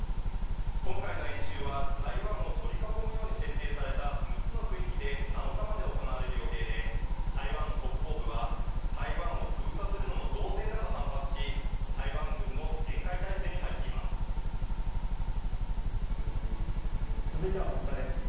今回の演習は台湾を取り囲むように設定された６つの区域で７日まで行われる予定で、台湾の国防部は、台湾を封鎖するのも同然だと反発し、台湾軍も厳戒態勢に入ってい続いてはこちらです。